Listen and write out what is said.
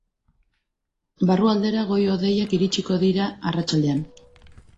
Barrualdera goi-hodeiak iritsiko dira arratsaldean.